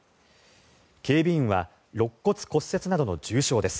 警備員はろっ骨骨折などの重傷です。